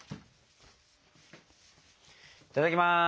いただきます。